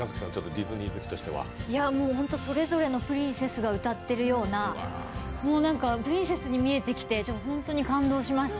それぞれのプリンセスが歌ってるような、もうプリンセスに見えてきて本当に感動しました。